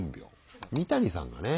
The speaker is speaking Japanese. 三谷さんがね